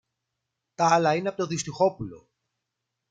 Τ' άλλα είναι από το Δυστυχόπουλο.